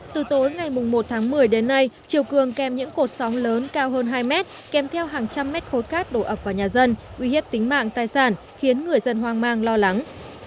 từ tối ngày một tháng một mươi đến nay chiều cường kèm những cột sóng lớn cao hơn hai mét kèm theo hàng trăm mét khối cát đổ ập vào nhà dân uy hiếp tính mạng tài sản khiến người dân hoang mang lo lắng